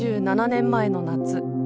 ７７年前の夏。